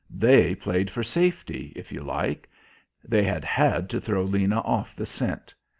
They played for safety, if you like. They had had to throw Lena off the scent.